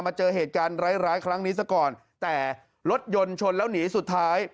เจอเหตุการณ์ร้ายร้ายครั้งนี้ซะก่อนแต่รถยนต์ชนแล้วหนีสุดท้าย